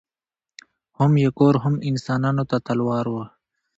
هم یې کور هم انسانانو ته تلوار وو